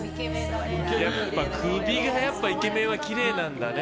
やっぱ首がイケメンはきれいなんだね。